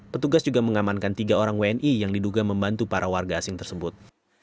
petugas juga mengamankan tiga orang wni yang diduga membantu para warga asing tersebut